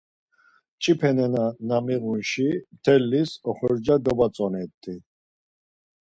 Mç̌ipe nena na miğunşi mtelis oxorca dobatzonet̆i.